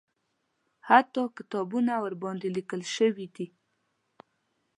حتی کتابونه ورباندې لیکل شوي دي.